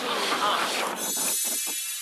تدریسي نصاب له اجازې پرته نه کارول کیږي.